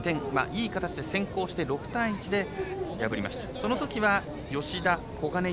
いい形で先行して６対１で破りました。